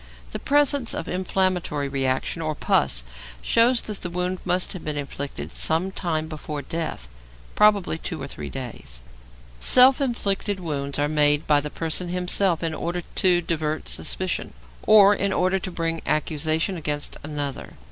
The presence of inflammatory reaction or pus shows that the wound must have been inflicted some time before death, probably two or three days. Self inflicted wounds are made by the person himself in order to divert suspicion, or in order to bring accusation against another.